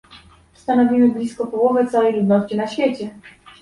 Stanowimy blisko połowę całej ludności na świecie